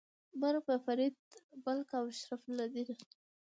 مرګ په فرید ملک او شرف الدین. 🤨